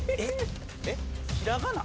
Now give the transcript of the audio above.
えっ？ひらがな？